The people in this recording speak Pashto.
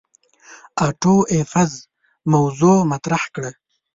آټو ایفز موضوغ مطرح کړه.